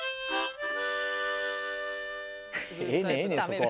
ええねんええねんそこ。